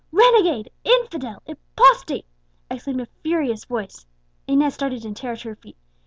"Renegade! infidel! apostate!" exclaimed a furious voice. Inez started in terror to her feet.